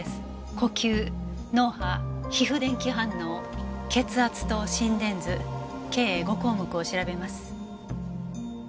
呼吸脳波皮膚電気反応血圧と心電図計５項目を調べます。